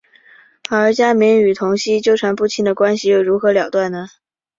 而家明与童昕纠缠不清的关系又如何了断呢？